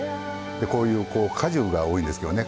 こういう果樹が多いですけどね